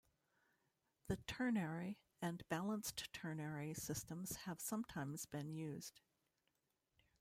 The ternary and balanced ternary systems have sometimes been used.